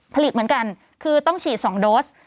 ผลิตเหมือนกันคือต้องฉีด๒โดส